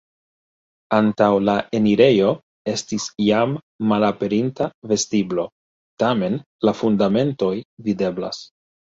Antaŭ la enirejo estis jam malaperinta vestiblo, tamen la fundamentoj videblas.